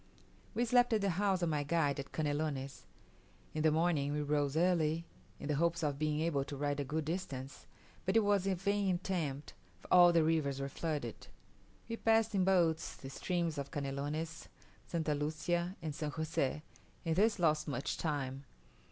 We slept at the house of my guide at Canelones. In the morning we rose early, in the hopes of being able to ride a good distance; but it was a vain attempt, for all the rivers were flooded. We passed in boats the streams of Canelones, St. Lucia, and San Jose, and thus lost much time.